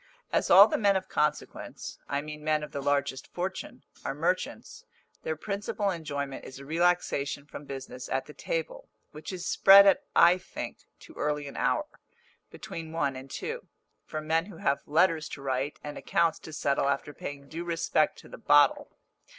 As all the men of consequence I mean men of the largest fortune are merchants, their principal enjoyment is a relaxation from business at the table, which is spread at, I think, too early an hour (between one and two) for men who have letters to write and accounts to settle after paying due respect to the bottle.